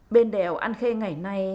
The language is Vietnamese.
bên đèo ăn khê ngày nay